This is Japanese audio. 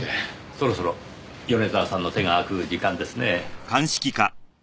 そろそろ米沢さんの手が空く時間ですねぇ。